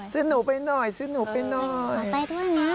ซึ่งหนูไปหน่อยซึ่งหนูไปหน่อย